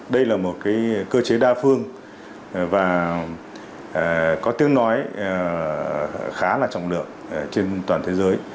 đây là một cơ chế đa phương và có tiếng nói khá là trọng lượng trên toàn thế giới